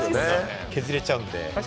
削れちゃうんで。